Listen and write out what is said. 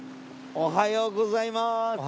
おはようございます。